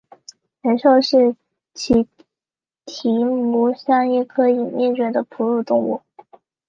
雷兽是奇蹄目下一科已灭绝的哺乳动物。